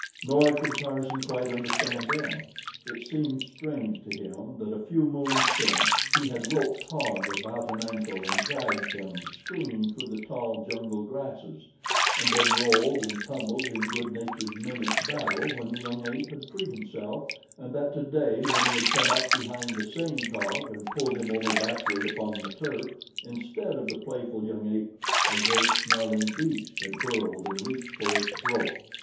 Nor could Tarzan quite understand them. It seemed strange to him that a few moons since, he had roped Taug about an ankle and dragged him screaming through the tall jungle grasses, and then rolled and tumbled in good natured mimic battle when the young ape had freed himself, and that today when he had come up behind the same Taug and pulled him over backward upon the turf, instead of the playful young ape, a great, snarling beast had whirled and leaped for his throat.